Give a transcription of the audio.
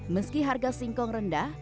meski harga singkong rendah